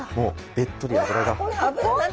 べっとり脂が。